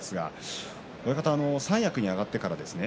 親方三役に上がってからですね。